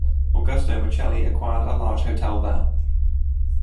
Augusto Michieli acquired a large hotel there.